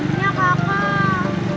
dosanya semakin banyak kakak